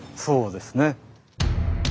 そうですね。